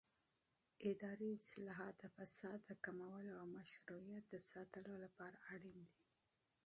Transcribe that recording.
اداري اصلاحات د فساد د کمولو او مشروعیت د ساتلو لپاره اړین دي